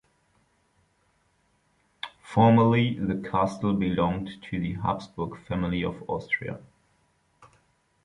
Formerly the castle belonged to the Habsburg family of Austria.